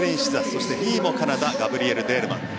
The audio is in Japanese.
そして２位もカナダガブリエル・デールマン。